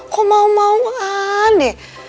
kok mau mauan deh